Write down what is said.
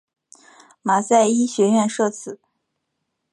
马赛医学院设此。